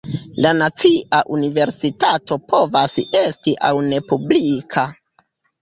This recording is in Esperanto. La "nacia universitato" povas esti aŭ ne publika.